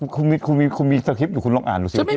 คุณมีสคริปอยู่คุณลองอ่านตรงที่ไหน